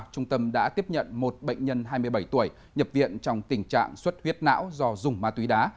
trung tâm đã tiếp nhận một bệnh nhân hai mươi bảy tuổi nhập viện trong tình trạng suất huyết não do dùng ma túy đá